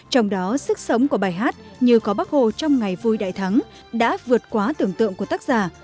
trong đó sức sống của bài hát như có bác hồ trong ngày vui đại thắng đã vượt quá tưởng tượng của tác giả